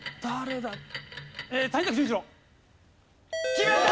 決めた！